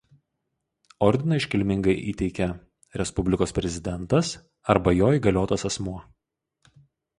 Ordiną iškilmingai įteikia Respublikos Prezidentas arba jo įgaliotas asmuo.